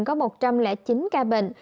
có một trăm linh chín ca bệnh